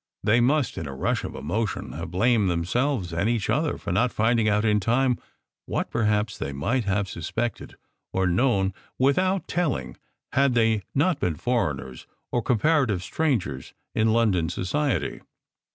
They must, in a rush of emotion, have blamed themselves and each other for not finding out in time what perhaps they might have suspected or known without telling had they not been foreigners and comparative strangers in London society.